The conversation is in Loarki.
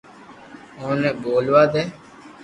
اوني ٻولوا دي